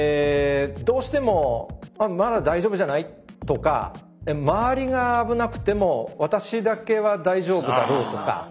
どうしてもまだ大丈夫じゃない？とか周りが危なくても私だけは大丈夫だろうとか。